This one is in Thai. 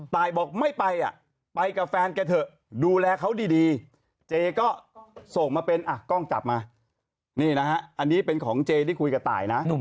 ตายบอกไม่ไปอ่ะไปไปกับแฟนแกเถอะดูแลเขาดีเจก็ส่งมาเป็นอ่ะกล้องจับมานี่นะฮะอันนี้เป็นของเจที่คุยกับตายนะ